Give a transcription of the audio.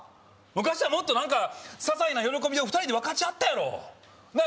昔はもっとなんかささいな喜びを２人で分かち合ったやろなんや？